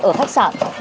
ở khách sạn